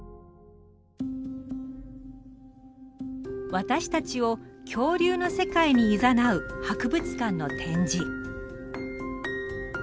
私たちを恐竜の世界にいざなう博物館の展示。